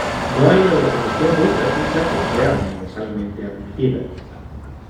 No hay una definición muy precisa que sea universalmente admitida.